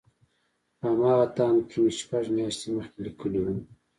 په همغه تاند کې مې شپږ مياشتې مخکې ليکلي وو.